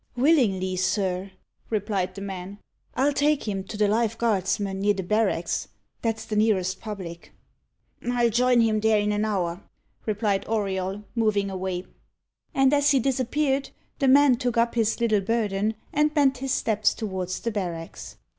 "Willingly, sir," replied the man. "I'll take him to the Life Guardsman, near the barracks that's the nearest public." "I'll join him there in an hour," replied Auriol, moving away. And as he disappeared, the man took up his little burden, and bent his steps towards the barracks.